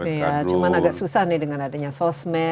kadrun ya cuma agak susah nih dengan adanya sosmed